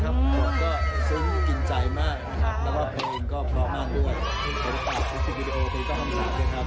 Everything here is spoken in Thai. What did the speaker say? เราเล่นไม่คลับเล่นไม่คลับเล่นไม่คลับเล่นไม่คลับเล่นไม่คลับเล่นไม่คลับเล่นไม่คลับเล่นไม่คลับ